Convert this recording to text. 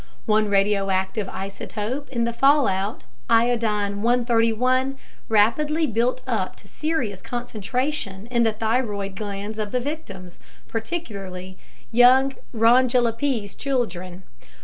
One radioactive isotope in the fallout, iodine 131, rapidly built up to serious concentration in the thyroid glands of the victims, particularly young Rongelapese children.